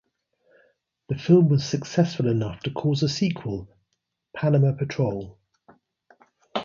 The film was successful enough to cause a sequel, "Panama Patrol".